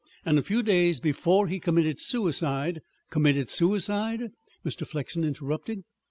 And a few days before he committed suicide " "Committed suicide?" Mr. Flexen interrupted.